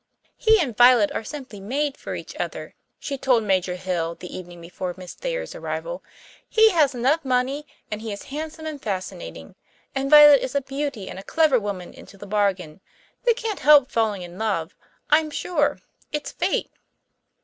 "He and Violet are simply made for each other," she told Major Hill the evening before Miss Thayer's arrival. "He has enough money and he is handsome and fascinating. And Violet is a beauty and a clever woman into the bargain. They can't help falling in love, I'm sure; it's fate!"